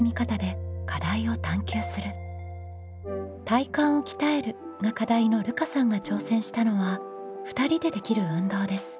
「体幹を鍛える」が課題のるかさんが挑戦したのは２人でできる運動です。